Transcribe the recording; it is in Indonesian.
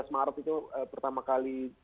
dua belas maret itu pertama kali